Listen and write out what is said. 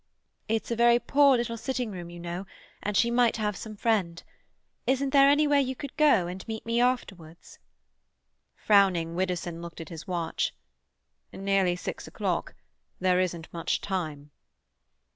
"It's a very poor little sitting room, you know, and she might have some friend. Isn't there anywhere you could go, and meet me afterwards?" Frowning, Widdowson looked at his watch. "Nearly six o'clock. There isn't much time."